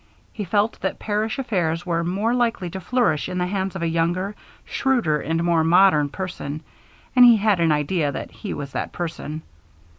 He felt that parish affairs were more likely to flourish in the hands of a younger, shrewder, and more modern person, and he had an idea that he was that person.